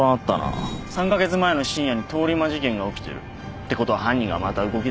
３カ月前の深夜に通り魔事件が起きてる。ってことは犯人がまた動きだした。